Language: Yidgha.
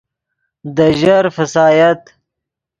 دے ژر فسایت